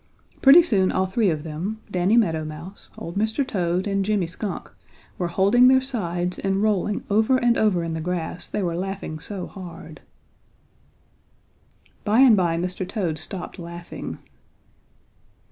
Pretty soon all three of them, Danny Meadow Mouse, old Mr. Toad and Jimmy Skunk, were holding their sides and rolling over and over in the grass, they were laughing so hard. By and by Mr. Toad stopped laughing.